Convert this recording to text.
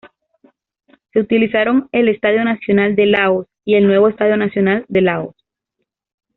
Se utilizaron el Estadio Nacional de Laos y el Nuevo Estadio Nacional de Laos.